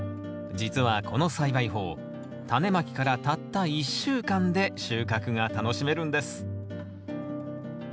実はこの栽培法タネまきからたった１週間で収穫が楽しめるんです